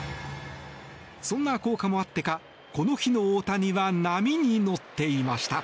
そんな効果もあってかこの日の大谷は波に乗っていました。